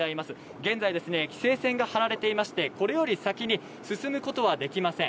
現在、規制線が張られていまして、これより先に進むことはできません。